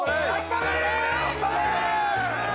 頑張れ！